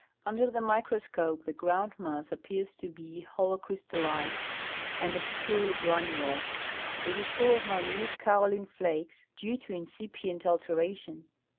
Under the microscope the groundmass appears to be holocrystalline and obscurely granular. It is full of minute kaolin flakes, due to incipient alteration.